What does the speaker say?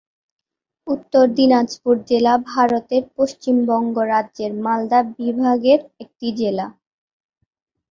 উত্তর দিনাজপুর জেলা ভারতের পশ্চিমবঙ্গ রাজ্যের মালদা বিভাগের একটি জেলা।